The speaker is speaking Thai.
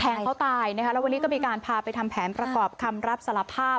เขาตายนะคะแล้ววันนี้ก็มีการพาไปทำแผนประกอบคำรับสารภาพ